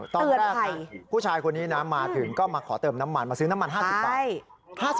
ตอนแรกผู้ชายคนนี้นะมาถึงก็มาขอเติมน้ำมันมาซื้อน้ำมัน๕๐บาท